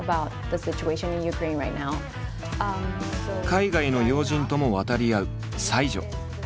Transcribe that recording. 海外の要人とも渡り合う才女。